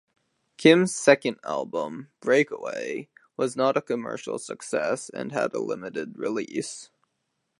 Kim's second album, "Breakaway", was not a commercial success and had a limited release.